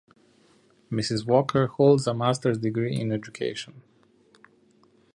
Ms. Walker holds a master's degree in education.